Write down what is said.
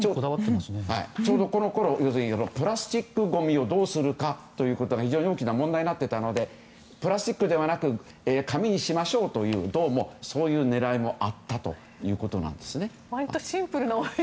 ちょうどこのころプラスチックごみをどうするかというのが非常に大きな問題になっていたのでプラスチックではなく紙にしましょうという狙いもあったということなんですね。